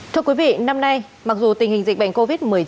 thưa quý vị năm nay mặc dù tình hình dịch bệnh covid một mươi chín